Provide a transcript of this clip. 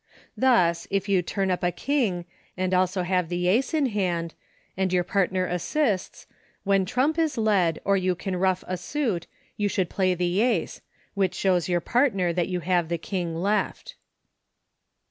— Thus, if you turn up a King, and also have the Ace in hand, and your partner assists, when a trump is led, or you can ruff a suit, you should play the Ace, which shows your partner that you have the King left.